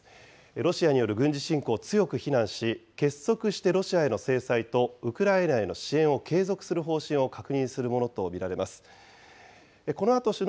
ロシアによる軍事侵攻を強く非難し、結束してロシアへの制裁とウクライナへの支援を継続する方針を確認するものと見られます。